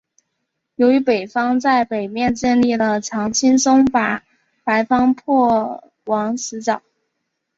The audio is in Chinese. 由于白方在北面建立了墙轻松把白方迫往死角。